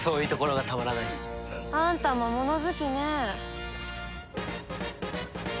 あんたも物好きね。